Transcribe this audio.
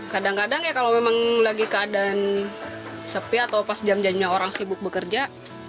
kadang kadang ya kalau memang lagi keadaan sepi atau pas jam jamnya orang sibuk bekerja